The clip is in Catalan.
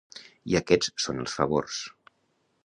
I aquests són els favors.